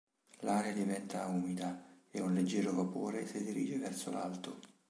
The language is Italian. L'aria diventa umida e un leggero vapore si dirige verso l'alto.